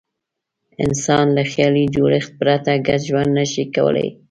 انسان له خیالي جوړښت پرته ګډ ژوند نه شي کولای.